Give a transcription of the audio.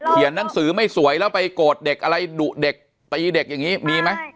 หนังสือไม่สวยแล้วไปโกรธเด็กอะไรดุเด็กตีเด็กอย่างนี้มีไหม